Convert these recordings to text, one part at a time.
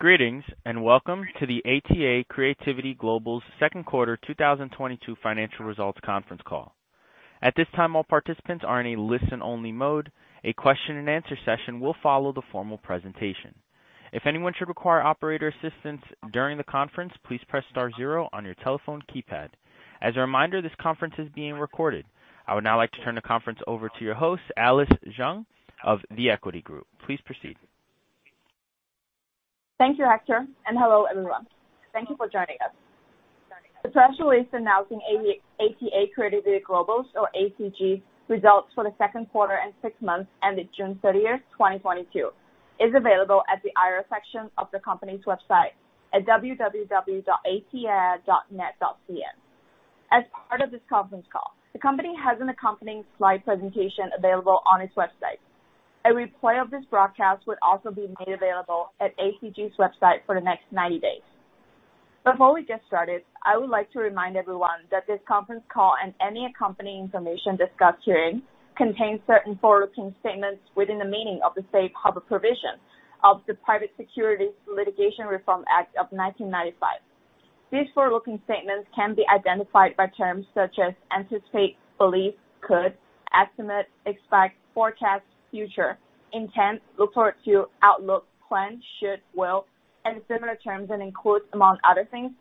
Greetings, and welcome to the ATA Creativity Global's Second Quarter 2022 Financial Results Conference Call. At this time, all participants are in a listen-only mode. A question-and-answer session will follow the formal presentation. If anyone should require operator assistance during the conference, please press star zero on your telephone keypad. As a reminder, this conference is being recorded. I would now like to turn the conference over to your host, Alice Zhang of The Equity Group. Please proceed. Thank you, Hector, and hello everyone. Thank you for joining us. The press release announcing ATA Creativity Global's or ACG results for the second quarter and six months ended June 30, 2022 is available at the IR section of the company's website at www.ata.net.cn. As part of this conference call, the company has an accompanying slide presentation available on its website. A replay of this broadcast would also be made available at ACG's website for the next 90 days. Before we get started, I would like to remind everyone that this conference call and any accompanying information discussed herein contains certain forward-looking statements within the meaning of the Safe Harbor provision of the Private Securities Litigation Reform Act of 1995. These forward-looking statements can be identified by terms such as anticipate, believe, could, estimate, expect, forecast, future, intent, look forward to, outlook, plan, should, will, and similar terms, and includes, among other things,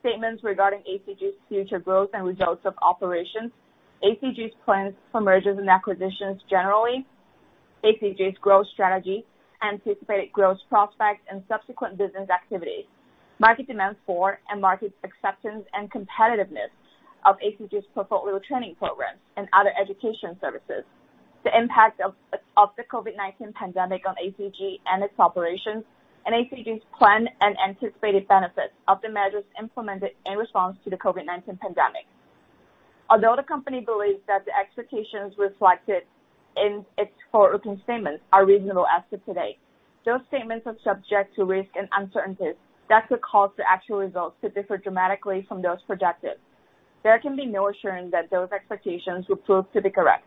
statements regarding ACG's future growth and results of operations, ACG's plans for mergers and acquisitions generally, ACG's growth strategy, anticipated growth prospects and subsequent business activities, market demand for and market acceptance and competitiveness of ACG's portfolio training programs and other education services, the impact of the COVID-19 pandemic on ACG and its operations, and ACG's plan and anticipated benefits of the measures implemented in response to the COVID-19 pandemic. Although the company believes that the expectations reflected in its forward-looking statements are reasonable as of today, those statements are subject to risks and uncertainties that could cause the actual results to differ dramatically from those projected. There can be no assurance that those expectations will prove to be correct.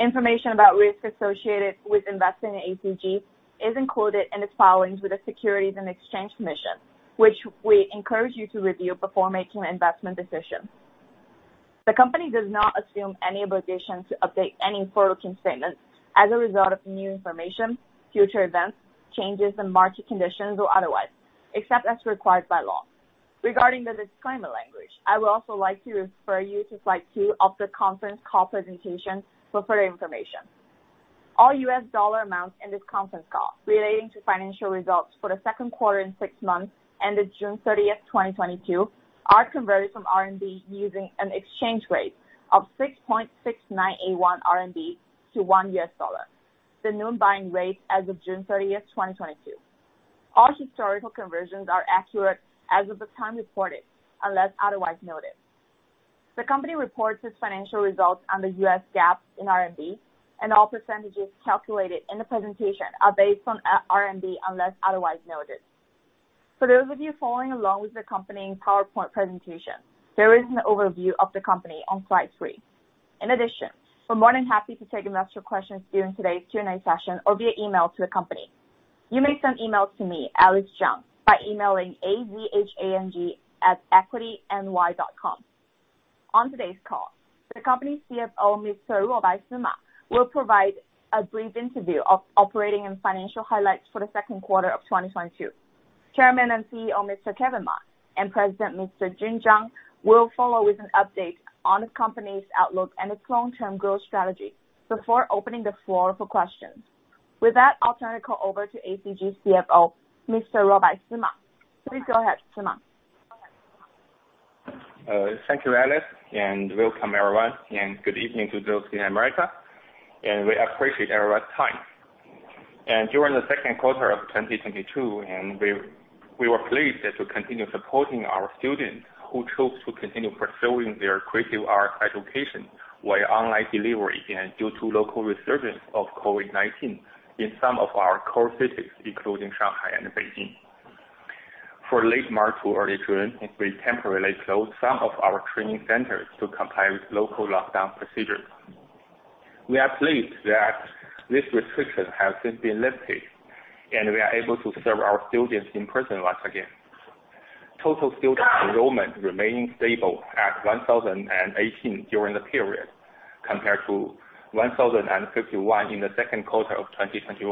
Information about risks associated with investing in ACG is included in its filings with the Securities and Exchange Commission, which we encourage you to review before making an investment decision. The company does not assume any obligation to update any forward-looking statements as a result of new information, future events, changes in market conditions or otherwise, except as required by law. Regarding the disclaimer language, I would also like to refer you to slide two of the conference call presentation for further information. All U.S. dollar amounts in this conference call relating to financial results for the second quarter and six months ended June 30, 2022, are converted from RMB using an exchange rate of 6.6981 RMB to $1, the noon buying rate as of June 30, 2022. All historical conversions are accurate as of the time reported, unless otherwise noted. The company reports its financial results under U.S. GAAP in RMB, and all percentages calculated in the presentation are based on RMB, unless otherwise noted. For those of you following along with the accompanying PowerPoint presentation, there is an overview of the company on slide three. In addition, we're more than happy to take investor questions during today's Q&A session or via email to the company. You may send emails to me, Alice Zhang, by emailing azhang@equityny.com. On today's call, the company's CFO, Mr. Ruobai Sima, will provide a brief overview of operating and financial highlights for the second quarter of 2022. Chairman and CEO, Mr. Kevin Ma, and President, Mr. Jun Zhang, will follow with an update on the company's outlook and its long-term growth strategy before opening the floor for questions. With that, I'll turn the call over to ACG's CFO, Mr. Ruobai Sima. Please go ahead, Sima. Thank you, Alice, and welcome everyone, and good evening to those in America, and we appreciate everyone's time. During the second quarter of 2022, we were pleased to continue supporting our students who chose to continue pursuing their creative arts education via online delivery and due to local resurgence of COVID-19 in some of our core cities, including Shanghai and Beijing. For late March to early June, we temporarily closed some of our training centers to comply with local lockdown procedures. We are pleased that these restrictions have since been lifted, and we are able to serve our students in person once again. Total student enrollment remaining stable at 1,018 during the period, compared to 1,051 in the second quarter of 2021.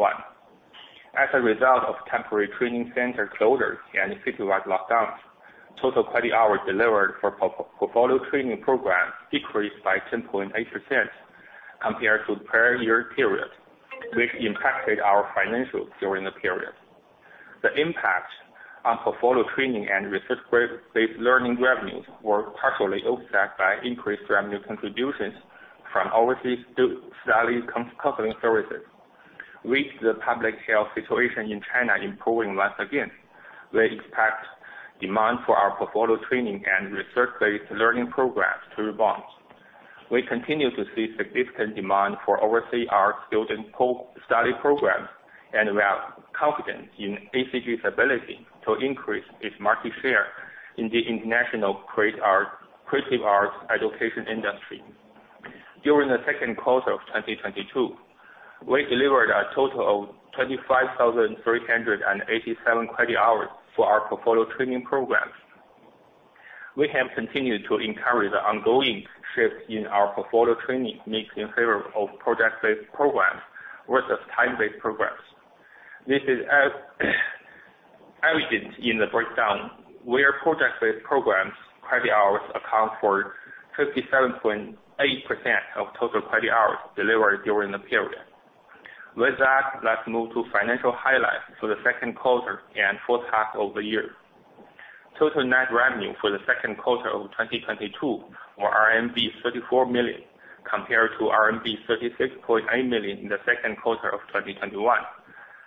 As a result of temporary training center closures and citywide lockdowns, total credit hours delivered for portfolio training programs decreased by 10.8% compared to prior year period, which impacted our financials during the period. The impact on portfolio training and research-based learning revenues were partially offset by increased revenue contributions from overseas study counseling services. With the public health situation in China improving once again, we expect demand for our portfolio training and research-based learning programs to rebound. We continue to see significant demand for overseas art student study programs, and we are confident in ACG's ability to increase its market share in the international creative arts education industry. During the second quarter of 2022, we delivered a total of 25,387 credit hours for our portfolio training programs. We have continued to encourage the ongoing shift in our portfolio training mix in favor of project-based programs versus time-based programs. This is evident in the breakdown where project-based programs credit hours account for 57.8% of total credit hours delivered during the period. With that, let's move to financial highlights for the second quarter and first half of the year. Total net revenue for the second quarter of 2022 were RMB 34 million, compared to RMB 36.8 million in the second quarter of 2021.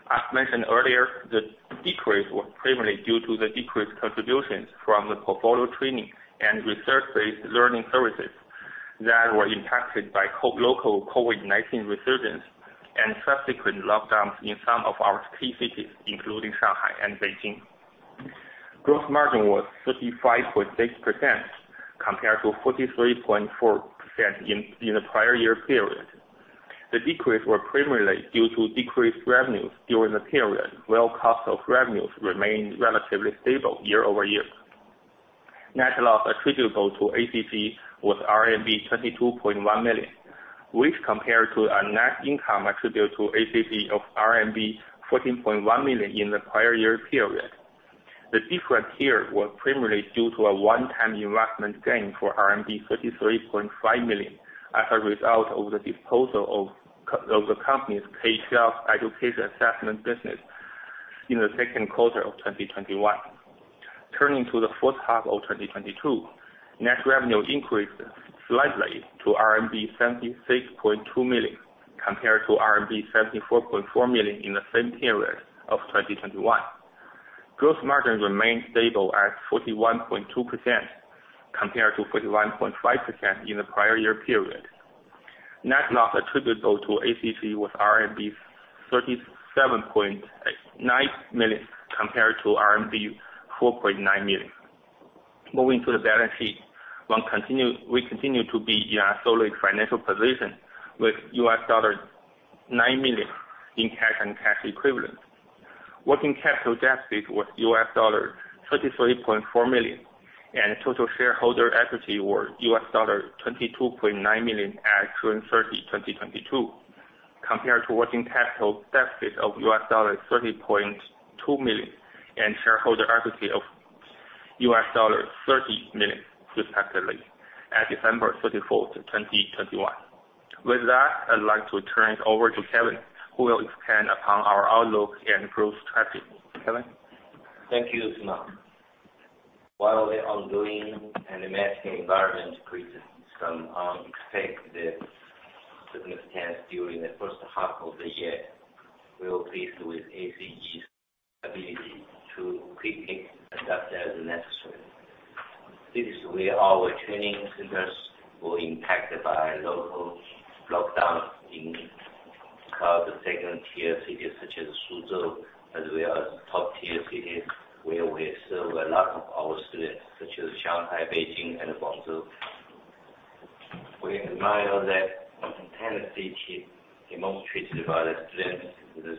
As mentioned earlier, the decrease was primarily due to the decreased contributions from the portfolio training and research-based learning services that were impacted by local COVID-19 resurgence and subsequent lockdowns in some of our key cities, including Shanghai and Beijing. Gross margin was 35.6% compared to 43.4% in the prior year period. The decrease were primarily due to decreased revenues during the period, while cost of revenues remained relatively stable year-over-year. Net loss attributable to ACG was RMB 22.1 million, which compared to a net income attributable to ACG of RMB 14.1 million in the prior year period. The difference here was primarily due to a one-time investment gain for RMB 33.5 million as a result of the disposal of the company's K-12 education assessment business in the second quarter of 2021. Turning to the first half of 2022, net revenue increased slightly to RMB 76.2 million, compared to RMB 74.4 million in the same period of 2021. Gross margin remained stable at 41.2% compared to 41.5% in the prior year period. Net loss attributable to ACG was RMB 37.9 million compared to RMB 4.9 million. Moving to the balance sheet, we continue to be in a solid financial position with $9 million in cash and cash equivalents. Working capital deficit was $33.4 million, and total shareholder equity was $22.9 million at June 30, 2022, compared to working capital deficit of $30.2 million and shareholder equity of $30 million, respectively, at December 31, 2021. With that, I'd like to turn it over to Kevin, who will expand upon our outlook and growth strategy. Kevin? Thank you, Ruobai Sima. While the ongoing and emerging environment created some unexpected headwinds during the first half of the year, we were pleased with ACG's ability to quickly adapt as necessary. This is where our training centers were impacted by local lockdowns in kind of the second-tier cities such as Suzhou, as well as top-tier cities where we serve a lot of our students, such as Shanghai, Beijing, and Guangzhou. We admire the tenacity demonstrated by the students who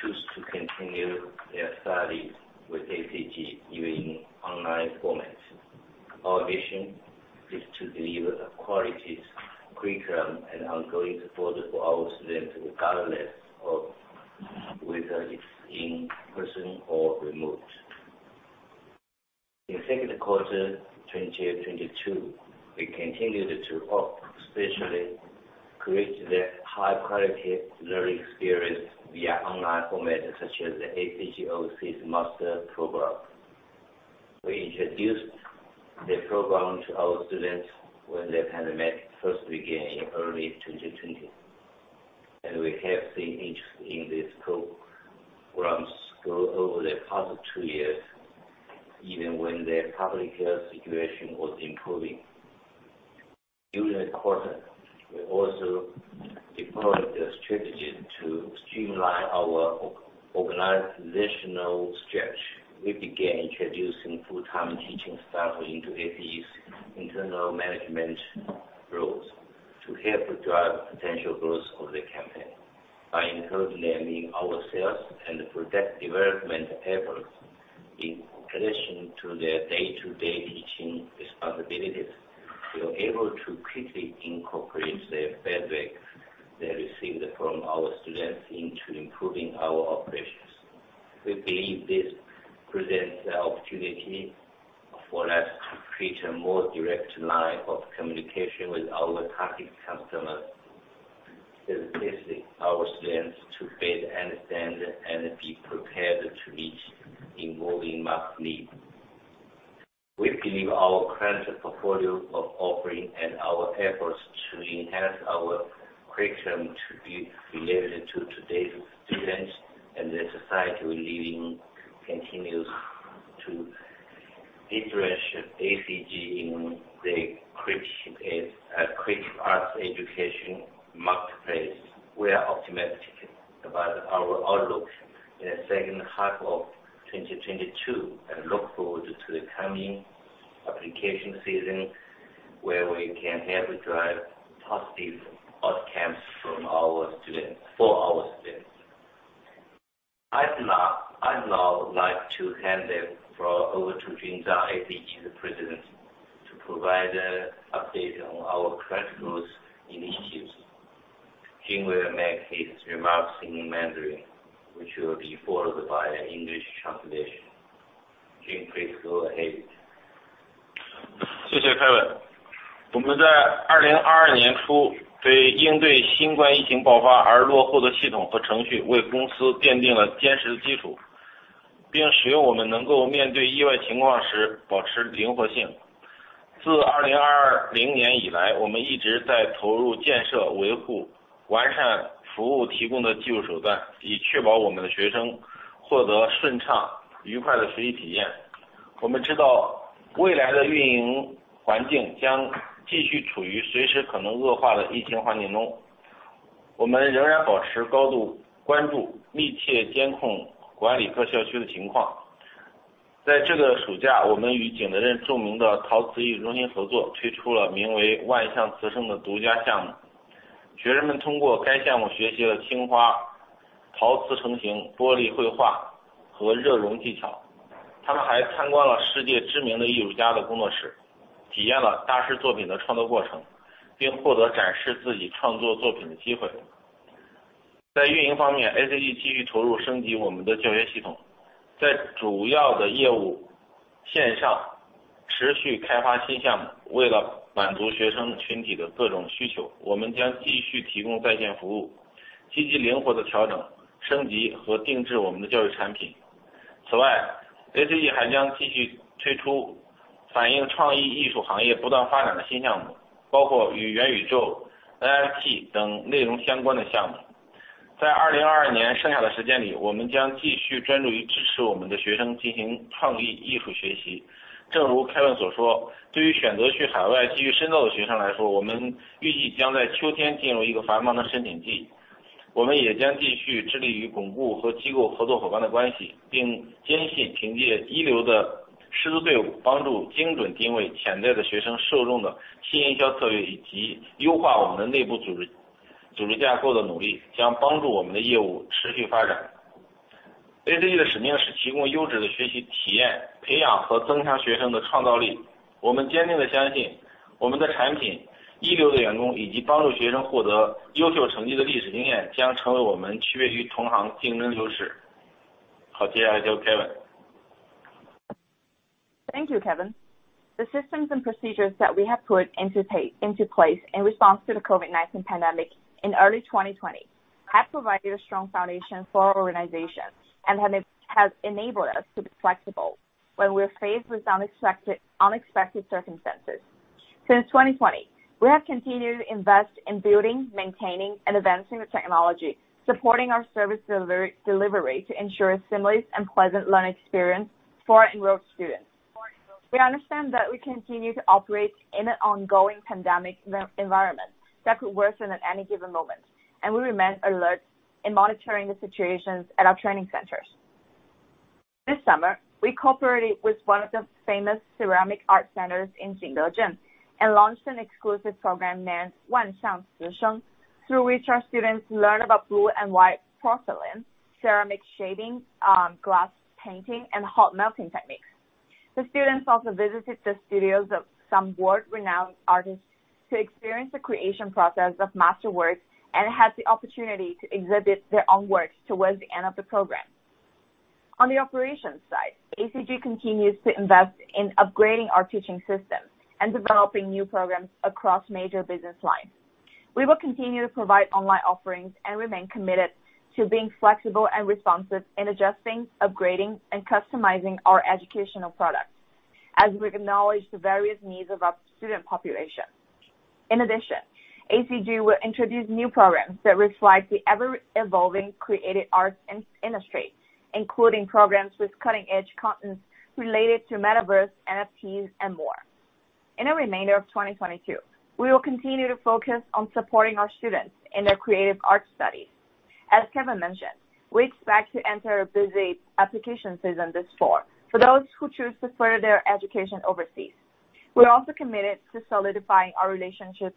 choose to continue their studies with ACG using online formats. Our mission is to deliver the quality curriculum and ongoing support for our students, regardless of whether it's in person or remote. In second quarter 2022, we continued to offer specially curated high-quality learning experience via online format, such as the ACG Online Master program. We introduced the program to our students when the pandemic first began in early 2020, and we have seen interest in these programs grow over the past two years, even when the public health situation was improving. During the quarter, we also deployed a strategy to streamline our organizational structure. We began introducing full-time teaching staff into ACG's internal management roles to help drive potential growth of the company. By including them in our sales and product development efforts, in addition to their day-to-day teaching responsibilities, we were able to quickly incorporate the feedback they received from our students into improving our operations. We believe this presents the opportunity for us to create a more direct line of communication with our target customers, specifically our students, to better understand and be prepared to meet evolving market needs. We believe our current portfolio of offerings and our efforts to enhance our curriculum to better relate to today's students and the society we live in continues to interest ACG in the critical areas as educators in the marketplace. We are optimistic about our outlook in the second half of 2022, and look forward to the coming application season, where we can help drive positive outcomes for our students. I'd now like to hand it over to Jun Zhang, ACG's president, to provide an update on our current growth initiatives. Jun will make his remarks in Mandarin, which will be followed by an English translation. Jun, please go ahead. Thank you, Kevin. 我们在2022年初，对应对新冠疫情爆发而落后的系统和程序为公司奠定了坚实的基础，并使我们能够面对意外情况时保持灵活性。自2020年以来，我们一直在投入建设、维护、完善服务提供的技术手段，以确保我们的学生获得顺畅愉快的学习体验。我们知道未来的运营环境将继续处于随时可能恶化的疫情环境中，我们仍然保持高度关注，密切监控管理各校区的情况。在这个暑假，我们与景德镇著名的陶瓷艺术中心合作，推出了名为万象瓷声的独家项目。学生们通过该项目学习了青花、陶瓷成型、玻璃绘画和热熔技巧。他们还参观了世界知名的艺术家的工作室，体验了大师作品的创作过程，并获得展示自己创作作品的机会。在运营方面，ACG继续投入升级我们的教学系统，在主要的业务线上持续开发新项目。为了满足学生群体的各种需求，我们将继续提供在线服务，积极灵活地调整、升级和定制我们的教育产品。此外，ACG还将继续推出反映创意艺术行业不断发展的新项目，包括与元宇宙、NFT等内容相关的项目。在2022年剩下的时间里，我们将继续专注于支持我们的学生进行创意艺术学习。正如Kevin所说，对于选择去海外继续深造的学生来说，我们预计将在秋天进入一个繁忙的申请季。我们也将继续致力于巩固和机构合作伙伴的关系，并坚信凭借一流的师资队伍，帮助精准定位潜在的学生受众的新营销策略，以及优化我们的内部组织、组织架构的努力，将帮助我们的业务持续发展。ACG的使命是提供优质的学习体验，培养和增强学生的创造力。我们坚定地相信，我们的产品、一流的员工，以及帮助学生获得优秀成绩的历史经验，将成为我们区别于同行竞争优势。好，接下来交给Kevin。Thank you, Kevin. The systems and procedures that we have put into place in response to the COVID-19 pandemic in early 2020 have provided a strong foundation for our organization, and have enabled us to be flexible when we're faced with unexpected circumstances. Since 2020, we have continued to invest in building, maintaining, and advancing the technology supporting our service delivery to ensure a seamless and pleasant learning experience for enrolled students. We understand that we continue to operate in an ongoing pandemic environment that could worsen at any given moment, and we remain alert in monitoring the situations at our training centers. This summer, we cooperated with one of the famous ceramic art centers in Jingdezhen, and launched an exclusive program named 万象瓷声, through which our students learn about blue and white porcelain, ceramic shaving, glass painting, and hot melting techniques. The students also visited the studios of some world-renowned artists to experience the creation process of masterworks, and had the opportunity to exhibit their own works towards the end of the program. On the operations side, ACG continues to invest in upgrading our teaching system and developing new programs across major business lines. We will continue to provide online offerings and remain committed to being flexible and responsive in adjusting, upgrading, and customizing our educational products, as we acknowledge the various needs of our student population. In addition, ACG will introduce new programs that reflect the ever-evolving creative arts industry, including programs with cutting-edge content related to Metaverse, NFTs, and more. In the remainder of 2022, we will continue to focus on supporting our students in their creative arts studies. As Kevin mentioned, we expect to enter a busy application season this fall for those who choose to further their education overseas. We're also committed to solidifying our relationships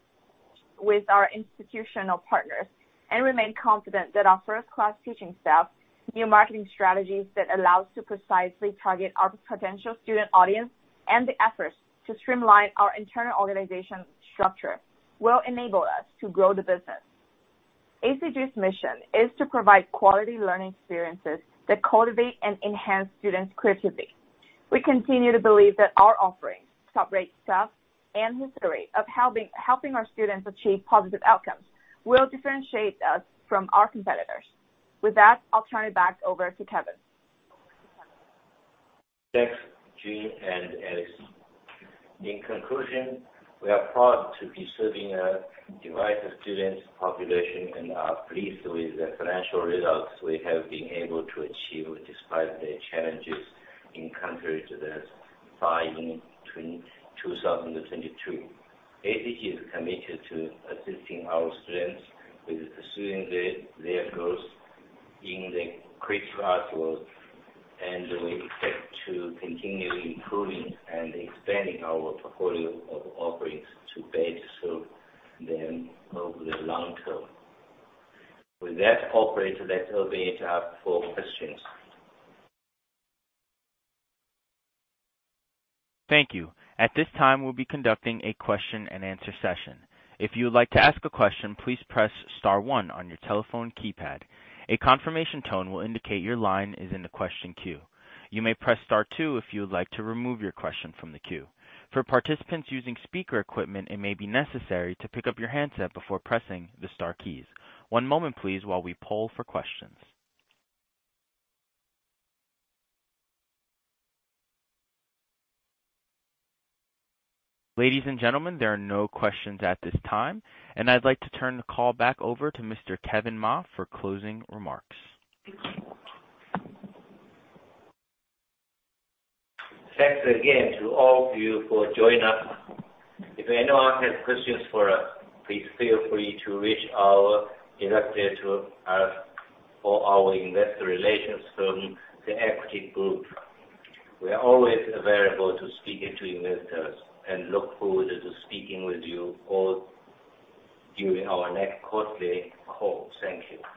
with our institutional partners, and remain confident that our first-class teaching staff, new marketing strategies that allow us to precisely target our potential student audience, and the efforts to streamline our internal organization structure, will enable us to grow the business. ACG's mission is to provide quality learning experiences that cultivate and enhance students' creativity. We continue to believe that our offerings, top-rate staff, and history of helping our students achieve positive outcomes will differentiate us from our competitors. With that, I'll turn it back over to Kevin. Thanks, Jun and Alice. In conclusion, we are proud to be serving a diverse student population, and are pleased with the financial results we have been able to achieve despite the challenges encountered this filing, 2022. ACG is committed to assisting our students with pursuing their goals in the creative arts world, and we expect to continue improving and expanding our portfolio of offerings to better serve them over the long term. With that, operator, let's open it up for questions. Thank you. At this time, we'll be conducting a question and answer session. If you would like to ask a question, please press star one on your telephone keypad. A confirmation tone will indicate your line is in the question queue. You may press star two if you would like to remove your question from the queue. For participants using speaker equipment, it may be necessary to pick up your handset before pressing the star keys. One moment please while we poll for questions. Ladies and gentlemen, there are no questions at this time, and I'd like to turn the call back over to Mr. Kevin Ma for closing remarks. Thanks again to all of you for joining us. If anyone has questions for us, please feel free to reach our Investor Relations, or our investor relations firm, The Equity Group. We are always available to speaking to investors, and look forward to speaking with you all during our next quarterly call. Thank you.